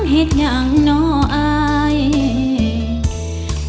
เกิดเสียแฟนไปช่วยไม่ได้นะ